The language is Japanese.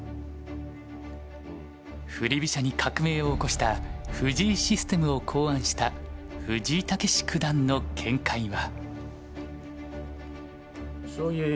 振り飛車に革命を起こした藤井システムを考案した藤井猛九段の見解は？